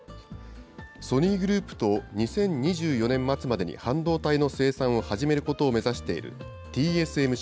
ソニーグループと２０２４年末までに半導体の生産を始めることを目指している、ＴＳＭＣ。